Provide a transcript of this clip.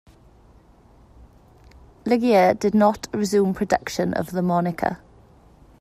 Ligier did not resume production of the Monica.